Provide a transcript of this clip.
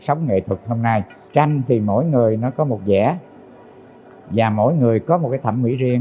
sống nghệ thuật hôm nay tranh thì mỗi người nó có một vẻ và mỗi người có một cái thẩm mỹ riêng